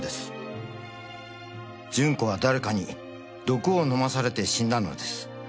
「順子は誰かに毒を飲まされて死んだのです」